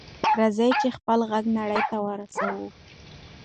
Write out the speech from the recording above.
راځئ چې خپل غږ نړۍ ته ورسوو.